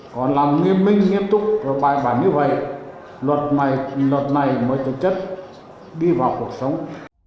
có làm nghiêm minh nghiêm túc và bài bản như vậy luật này mới thực chất đi vào cuộc sống